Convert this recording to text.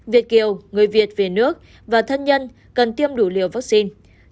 việt kiều người việt về nước và thân nhân cần tiêm đủ liều vaccine